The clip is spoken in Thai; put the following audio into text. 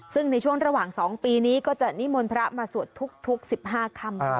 ซึ่งในช่วงระหว่าง๒ปีนี้ก็จะนิมนต์พระมาสวดทุก๑๕ค่ำ